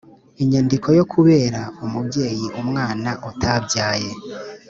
Inyandiko yo kubera umubyeyi umwana utabyaye